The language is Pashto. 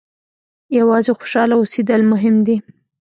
یوازې خوشاله اوسېدل مهم دي.